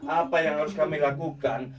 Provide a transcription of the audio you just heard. apa yang harus kami lakukan